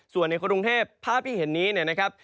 ส่วนในกรุงเทพภาพที่เห็นนี้เนี่ยนะครับ